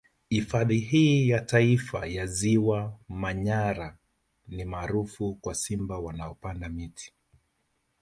Hifadhi hii ya Taifa ya Ziwa Manyara ni maarufu kwa Simba wanaopanda miti